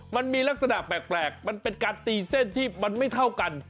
มันมีลักษณะแปลกมันเป็นการตีเส้นที่มันไม่เท่ากัน